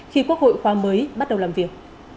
khi quốc hội khoa mới bắt đầu làm việc